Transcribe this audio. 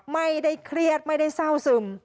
ไม่ได้เครียดไม่ได้เศร้าซึม